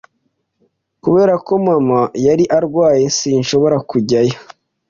Kubera ko mama yari arwaye, sinshobora kujyayo.